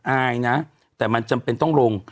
อายนะแต่มันจำเป็นต้องลง